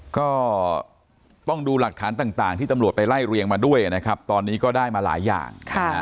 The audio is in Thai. ก็ต้องดูหลักฐานต่างที่ตำรวจไปไล่เรียงมาด้วยนะครับตอนนี้ก็ได้มาหลายอย่าง